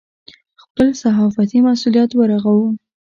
خپل صحافتي مسوولیت ورغوو.